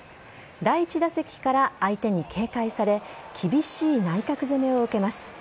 第１打席から相手に警戒され厳しい内角攻めを受けます。